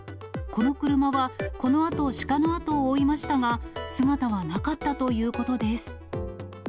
この車はこのあと、シカの後を追いましたが、姿はなかったということです。